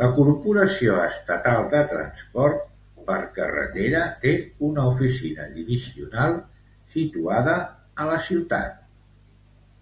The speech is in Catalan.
La Corporació Estatal de Transport per Carretera de Karnataka té una oficina divisional situada a la ciutat de Davanagere.